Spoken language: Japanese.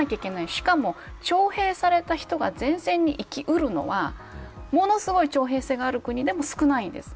しかも、徴兵された人が前線に行き得るのはものすごく徴兵制がある国でも少ないです。